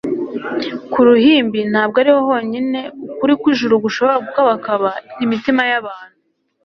Ku ruhimbi ntabwo ariho honyine ukuri kw'ijuru gushobora gukabakaba imitima y'abantu.